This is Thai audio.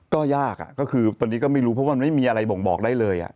ก็ยากก็คือตอนนี้ก็ไม่รู้เพราะมันไม่มีอะไรบ่งบอกได้เลย